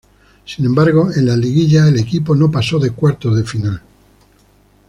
Sin embargo, en la liguilla el equipo no pasó de cuartos de final.